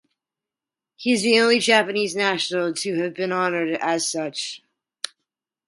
He is the only Japanese national to have been honored as such.